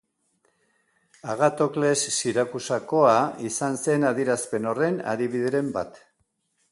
Agatokles Sirakusakoa izan zen adierazpen horren adibideren bat.